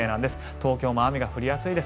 東京も雨が降りやすいです。